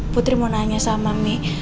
putri mau nanya sama mi